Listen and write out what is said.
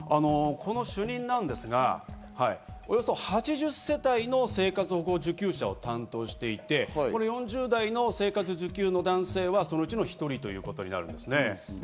この主任なんですが、およそ８０世帯の生活保護受給者を担当していて、この４０代の生活受給の男性はそのうちの１人ということになるんですね。